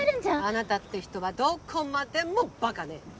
あなたって人はどこまでもバカね。